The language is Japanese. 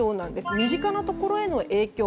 身近なところの影響。